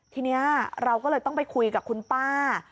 ทีนี้เราก็เลยต้องไปคุยกับคุณป้า